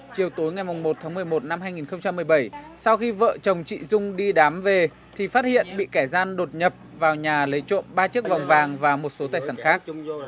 chiều tối ngày một tháng một mươi một năm hai nghìn một mươi bảy sau khi vợ chồng chị dung đi đám về thì phát hiện bị kẻ gian đột nhập vào nhà lấy trộm ba chiếc vòng vàng và một số tài sản khác